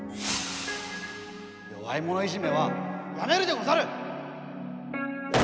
弱いものいじめはやめるでござる！